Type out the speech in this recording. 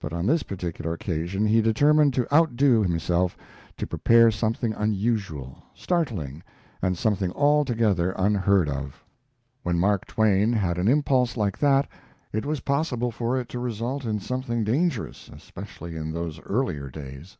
But on this particular occasion he determined to outdo himself, to prepare something unusual, startling, something altogether unheard of. When Mark Twain had an impulse like that it was possible for it to result in something dangerous, especially in those earlier days.